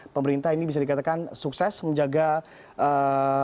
pemerintah ini bisa dikatakan sukses menjaga ee